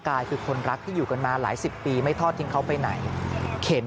กายคือคนรักที่อยู่กันมาหลายสิบปีไม่ทอดทิ้งเขาไปไหนเข็น